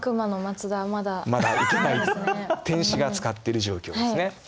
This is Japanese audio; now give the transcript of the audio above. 天使が使ってる状況ですね。